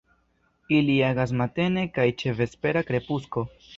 Ili agas matene kaj ĉe vespera krepusko.